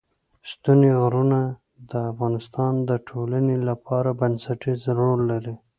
ستوني غرونه د افغانستان د ټولنې لپاره بنسټيز رول لري.